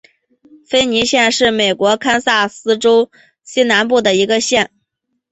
芬尼县是美国堪萨斯州西南部的一个县。